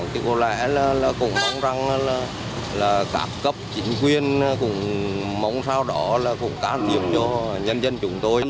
thì có lẽ là cũng mong rằng là các cấp chính quyền cũng mong sao đó là cũng cán nhiệm cho nhân dân chúng tôi